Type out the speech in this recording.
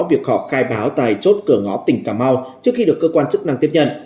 việc họ khai báo tại chốt cửa ngó tỉnh cà mau trước khi được cơ quan chức năng tiếp nhận